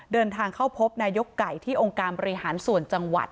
เดินทางเข้าพบนายกไก่ที่องค์การบริหารส่วนจังหวัด